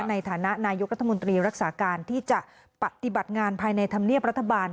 ในฐานะนายกรัฐมนตรีรักษาการที่จะปฏิบัติงานภายในธรรมเนียบรัฐบาล